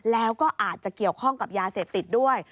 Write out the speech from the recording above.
แล้วก็อาจจะเกี่ยวข้องกับยาเสพติดด้วย